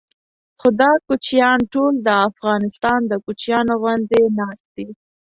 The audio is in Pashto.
خو دا کوچیان ټول د افغانستان د کوچیانو غوندې ناست دي.